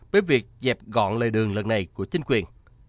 với việc dẹp gọn lời đường lần này của chính quyền